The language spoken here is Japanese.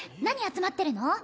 何集まってるの？